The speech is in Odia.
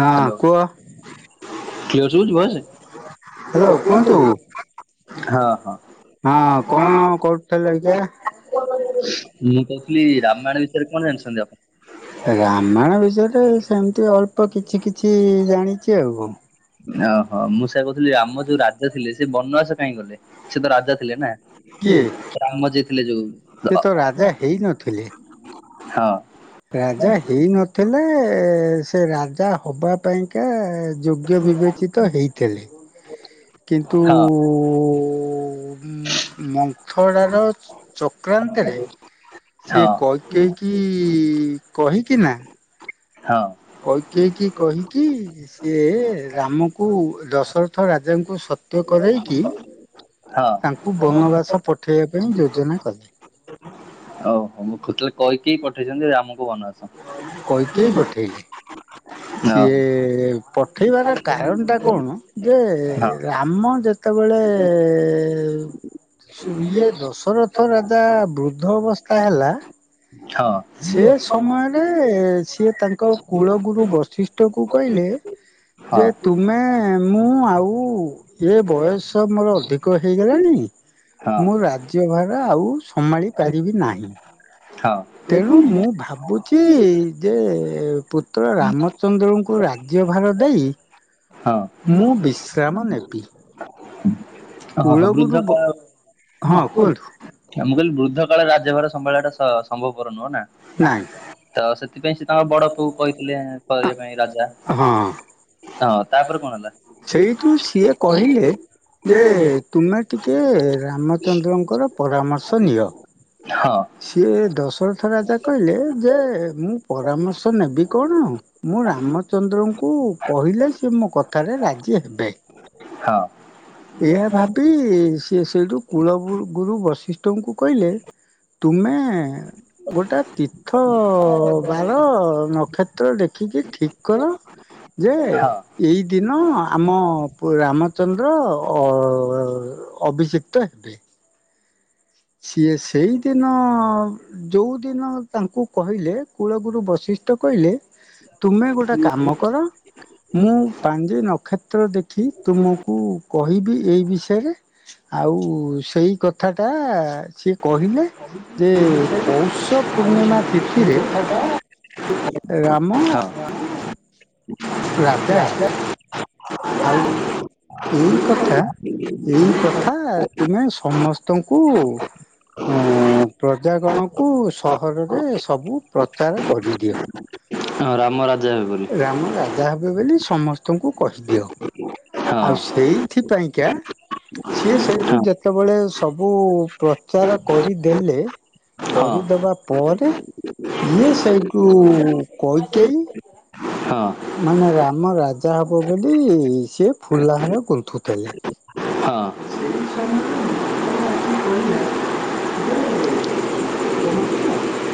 ହଁ ହ୍ୟାଲୋ କୁହ। କ୍ଲିୟର ଶୁଭୁଛି ଭଏସ? ହ୍ୟାଲୋ କୁହନ୍ତୁ। ହଁ ହଁ। ହଁ କଣ କରୁଥିଲେ ଯେ? କ [unintelligible] ଆପଣ? ରାମାୟଣ ବିଷେ ରେ ସେମିତି ଅଳ୍ପ କିଛି କିଛି ଜାଣିଛି ଆଉ କଣ। ଓହୋ ମୁଁ ସେୟା କହୁଥିଲି ରାମ ଯୋଉ ରାଜା ଥିଲେ ସେ ବନବାସ କାହିଁ ଗଲେ ସେ ତ ରାଜା ଥିଲେ ନା? କିଏ ରାମ ଯେ ଥିଲେ ସେ ଯୋଉ ତ ରାଜା ହେଇନଥିଲେ ହଁ ରାଜା ହେଇ ନଥିଲେ ସେ ରାଜା ହବା ପାଇଁକା ଯୋଗ୍ୟ ବିବେଚିତ ହେଇଥିଲେ। କିନ୍ତୁ ହଁ ମନ୍ଥଡା ର ଚକ୍ରାନ୍ତରେ ହଁ ସେ କୈକେୟୀ କି କହିକିନା ହଁ। କୈକେୟୀ କି କହିକି ସିଏ ରାମକୁ ଦଶରଥ ରାଜାଙ୍କୁ ସତ୍ୟ କରେଇକି ହଁ ତାଙ୍କୁ ବନବାସ ପଠେଇବା ପାଇଁ ଯୋଜନା କଲେ। ଓଉ ହୋ ତାହେଲେ କୈକେୟୀ ପଠେଇଛନ୍ତି ରାମକୁ ବନବାସ? କୈକେୟୀ ପଠେଇଲେ। ଓହୋ ସିଏ ପଠେଇବାର କାରଣ ଟା କଣ ଯେ ହଁ ରାମ ଯେ ତେବେଳେ ଇଏ ଦଶରଥ ରାଜା ବୃଦ୍ଧ ଅବସ୍ଥା ହେଲା। ହଁ। ସେ ସମୟରେ ସିଏ ତାଙ୍କ କୁଳ ଗୁରୁ ବଶିଷ୍ଠ କୁ କହିଲେ ଯେ ହଁ ତୁମେ ମୁଁ ଆଉ ଏ ବୟସ ସ ମୋ ଅଧିକ ହୋଇଗଲଣି। ହଁ ମୁଁ ରାଜ୍ୟ ଭାର ଆଉ - - ସମ୍ଭାଳି ପାରିବି ନାହିଁ। ହଁ। ତେଣୁ ମୁଁ ଭାବୁଛି ଯେ ପୁତ୍ର ରାମଚନ୍ଦ୍ରଙ୍କୁ ରା ରାଜ୍ୟ ଭାର ଦେଇ ମୁଁ ବିଶ୍ରାମ ନେବି। ଓ ହ ହୋ କୂଳଗୁରୁ ବୃଦ୍ଧ ବ [unintelligible] ହଁ ମୁଁ କୁହନ୍ତୁ କହିଲି ବୃଦ୍ଧ କାଳେ ରାଜ୍ୟଭାର ସମ୍ଭାଳିବା ଟା ସ ସମ୍ଭବପର ନୁହଁ ନା। ନାଇଁ ତ ସେଥିପାଇଁ ସେ ତାଙ୍କ ବଡ ପୁଅ କହିଥିଲେ କରିବା ପାଇଁ ରାଜା ହଁ। ତାପରେ କଣ ହେଲା? ସେଇଠୁ ସିଏ କହିଲେ ଯେ ତୁମେ ଟିକେ ରାମଚନ୍ଦ୍ରଙ୍କର ପରାମର୍ଶ ନିଅ। ହଁ। ସିଏ ଦଶରଥ ରାଜା କହିଲେ ଯେ, ମୁଁ ପରାମର୍ଶ ନେବି କଣ - - ମୁଁ ରାମଚନ୍ଦ୍ରଙ୍କୁ କହିଲେ ସେ ମୋ କଥାରେ ରାଜି ହେବେ। ହଁ ଏୟା ଭାବି ସିଏ ସେଇଠୁ କୁଳ କୁଳଗୁରୁ ବଶିଷ୍ଠଙ୍କୁ କହିଲେ- - ତୁମେ ଗୋଟା ତୀର୍ଥ ବାର ନକ୍ଷତ୍ର ଦେଖିକି ଠିକ୍ କର ଯେ ହଁ। ଏଇ ଦିନ ଆମ ରାମଚନ୍ଦ୍ର ଅ - - ଅଭିଶିକ୍ତ ହେବେ। ସିଏ ସେଇଦିନ - - ଯେଉଁଦିନ ତାଙ୍କୁ କହିଲେ କୂଳଗୁରୁ ବଶିଷ୍ଠ କହିଲେ ତୁମେ ଗୋଟେ କାମ କର। ମୁଁ ପାଞ୍ଜି ନକ୍ଷତ୍ର ଦେଖି ତୁମକୁ - - କହିବି ଏଇ ବିଷୟରେ ଆଉ ସେଇ କଥା ଟା ସିଏ କହିଲେ ଯେ ପୌଷ ପୂର୍ଣ୍ଣିମା ସେଇ ତିଥିରେ ରାମ ହଁ। ରାଜା ହେବେ। ଆଉ ଏଇ କଥା ଏଇ କଥା ତୁମେ ସମସ୍ତ ତଙ୍କୁ [unintelligible] ଉ ପ୍ରଜାଗଣକୁ ସହରରେ ସବୁ ପ୍ରଚାର କରିଦିଅ। ହଁ ରାମ ରାଜ ରାମ ରାଜା ହେବେ ବୋଲି ସମସ୍ତଙ୍କୁ କହିଦିଅ ହଁ ଆଉ ସେଇ ଏଥିପାଇଁ କା ସିଏ ହଁ ସେଇଠୁ ହଁ। ଯେତେବେଳେ ସବୁ ପ୍ରଚାର କରିଦେଲେ। ହଁ ହଁ। କରିଦବା ପରେ ଇଏ ସେଇ ସେଇଠୁ କକେଇ ମାନେ ରାମ ରାଜା ହବ ବୋଲି ସେି ଫୁଲାହାର ଗୁନ୍ତୁଥିଲେ। ସମୟରେ